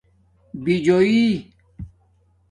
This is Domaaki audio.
بِجُویٔ